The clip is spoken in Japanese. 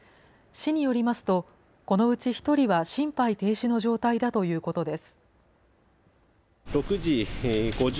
市によりますと、このうち１人は心肺停止の状態だということです。